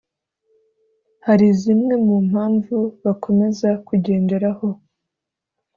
Hari zimwe mu mpamvu bakomeza kugenderaho